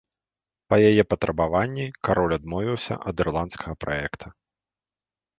Па яе патрабаванні кароль адмовіўся ад ірландскага праекта.